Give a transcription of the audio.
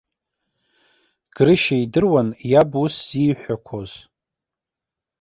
Грышьа идыруан иаб ус зиҳәақәоз.